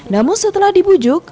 namun setelah dibujuk